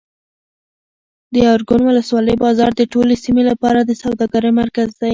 د ارګون ولسوالۍ بازار د ټولې سیمې لپاره د سوداګرۍ مرکز دی.